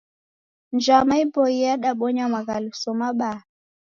Njama iboie yadabonya maghaluso mabaa.